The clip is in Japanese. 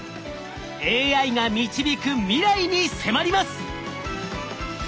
ＡＩが導く未来に迫ります！